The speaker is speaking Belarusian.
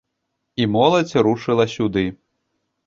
І моладзь рушыла сюды.